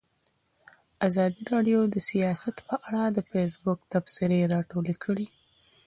ازادي راډیو د سیاست په اړه د فیسبوک تبصرې راټولې کړي.